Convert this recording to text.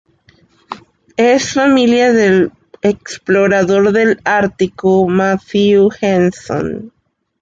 Es familia del explorador del Ártico, Matthew Henson.